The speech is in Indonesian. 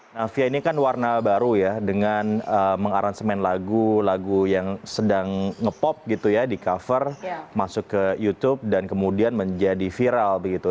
nah fia ini kan warna baru ya dengan mengaransemen lagu lagu yang sedang nge pop gitu ya di cover masuk ke youtube dan kemudian menjadi viral begitu